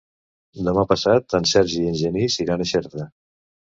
Demà passat en Sergi i en Genís iran a Xerta.